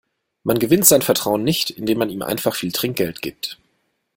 Man gewinnt sein Vertrauen nicht, indem man ihm einfach viel Trinkgeld gibt.